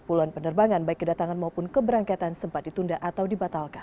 puluhan penerbangan baik kedatangan maupun keberangkatan sempat ditunda atau dibatalkan